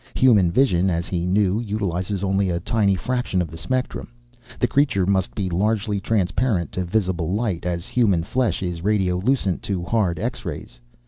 Human vision, as he knew, utilizes only a tiny fraction of the spectrum. The creature must be largely transparent to visible light, as human flesh is radiolucent to hard X rays.